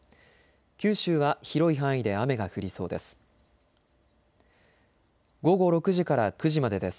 九州は広い範囲で雨が降りそうです。